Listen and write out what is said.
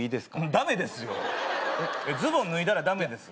ダメですよえっズボン脱いだらダメです